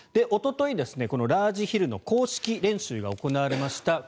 おととい、ラージヒルの公式練習が行われました。